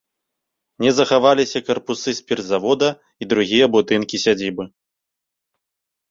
Не захаваліся карпусы спіртзавода і другія будынкі сядзібы.